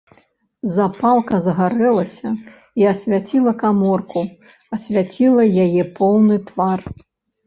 Запалка загарэлася і асвяціла каморку, асвятліла яе поўны твар.